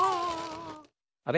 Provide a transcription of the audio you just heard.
あ！